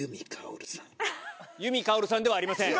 由美かおるさんではありません。